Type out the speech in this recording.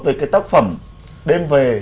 về cái tác phẩm đêm về